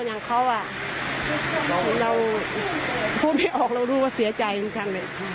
อย่างเขาอ่ะเราพูดไม่ออกเรารู้ว่าเสียใจกัน